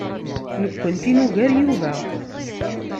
Nekkenti nugar Yuba.